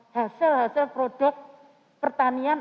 hasil hasil produk pertanian